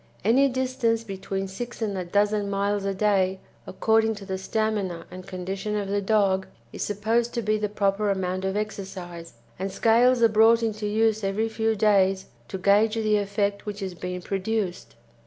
Any distance between six and a dozen miles a day, according to the stamina and condition of the dog, is supposed to be the proper amount of exercise, and scales are brought into use every few days to gauge the effect which is being produced.